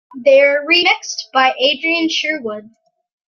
They are remixed by Adrian Sherwood.